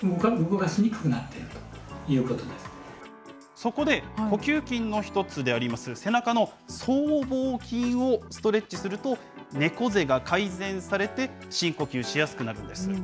そこで、呼吸筋の一つであります、背中の僧帽筋をストレッチすると、猫背が改善されて、深呼吸しやすくなるんです。